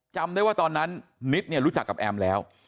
จำได้ว่าตอนนั้นนิดเนี่ยรู้จักกับแอมแล้ว